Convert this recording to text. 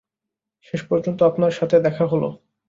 শেষ পর্যন্ত আপনার সাথে দেখা হলো।